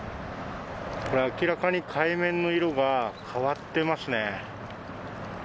これ、明らかに海面の色が変わっていますね。